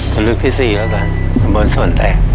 ลึกที่สี่แล้วกันตำบลสวนแตก